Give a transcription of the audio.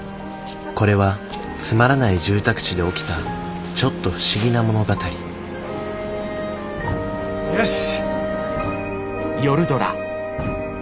これはつまらない住宅地で起きたちょっと不思議な物語よし。